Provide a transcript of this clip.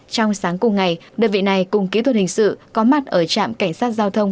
trong sáng cùng ngày đơn vị này cùng kỹ thuật hình sự có mặt ở trạm cảnh sát giao thông